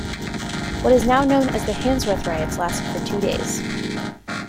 What is now known as the Handsworth Riots lasted for two days.